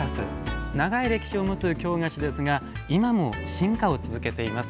長い歴史を持つ京菓子ですが今も進化を続けています。